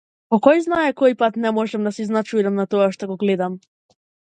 По којзнае кој пат не можам да се изначудам на тоа што го гледам.